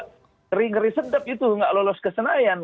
ngeri ngeri sedap itu nggak lolos ke senayan